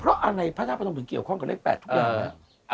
เพราะอะไรพระธาตุพนมถึงเกี่ยวข้องกับเลข๘ทุกอย่างครับ